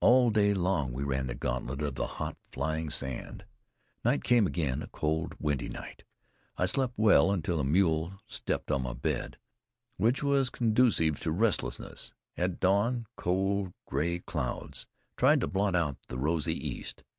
All day long we ran the gauntlet of the hot, flying sand. Night came again, a cold, windy night. I slept well until a mule stepped on my bed, which was conducive to restlessness. At dawn, cold, gray clouds tried to blot out the rosy east.